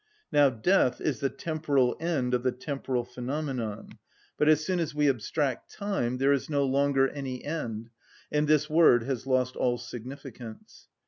Now death is the temporal end of the temporal phenomenon; but as soon as we abstract time, there is no longer any end, and this word has lost all significance.